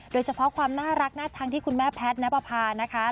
โดยเฉพาะความน่ารักน่าชังที่คุณแม่แพทย์ณปภานะคะ